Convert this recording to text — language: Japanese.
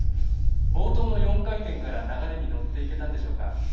冒頭の４回転から流れに乗っていけたんでしょうか。